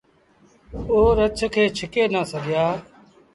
او رڇ کي ڇڪي نآ سگھيآ۔